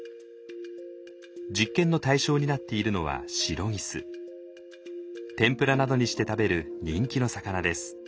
実験の対象になっているのは天ぷらなどにして食べる人気の魚です。